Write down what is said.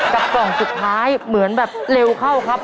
กล่องสุดท้ายเหมือนแบบเร็วเข้าครับ